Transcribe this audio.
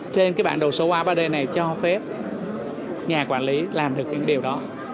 trên cái bản đồ số a ba d này cho phép nhà quản lý làm được những điều đó